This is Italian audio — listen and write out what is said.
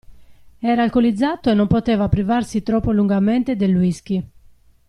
Era alcolizzato e non poteva privarsi troppo lungamente del whisky.